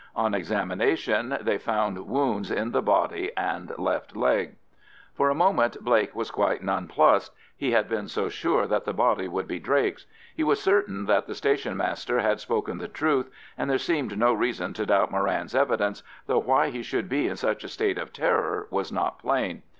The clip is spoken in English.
On examination they found wounds in the body and left leg. For a moment Blake was quite nonplussed—he had been so sure that the body would be Drake's. He was certain that the station master had spoken the truth, and there seemed no reason to doubt Moran's evidence, though why he should be in such a state of terror was not plain.